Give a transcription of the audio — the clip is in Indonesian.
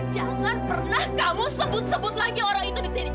jangan pernah kamu sebut sebut lagi orang itu disini